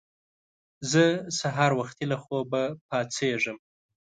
زه سهار وختي له خوبه پاڅېږم